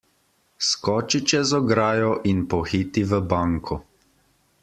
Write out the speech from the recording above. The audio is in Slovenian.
Skoči čez ograjo in pohiti v banko.